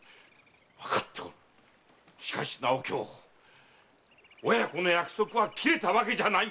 わかっておるしかしなお京親子の約束は切れたわけじゃない。